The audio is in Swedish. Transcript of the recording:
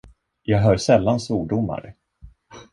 Jag hör sällan svordomar.